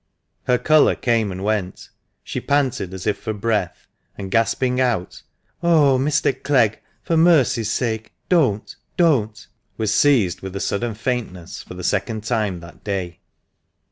Her colour came and went ; she panted as if for breath, and, gasping out, " Oh — h ! Mr. Clegg, for mercy's sake, don't — don't !" was seized with a sudden faintness for the second time that day.